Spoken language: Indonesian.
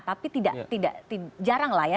tapi jarang lah ya